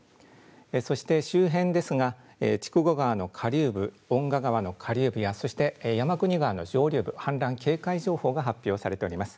そして周辺ですが筑後川の下流部、遠賀川の下流部やそして山国川の上流部、氾濫警戒情報が発表されております。